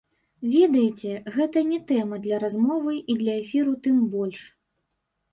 Ведаеце, гэта не тэма для размовы і для эфіру тым больш!